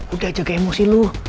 udah jaga emosi lu